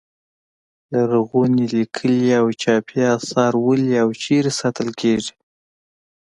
لرغوني لیکلي او چاپي اثار ولې او چیرې ساتل کیږي.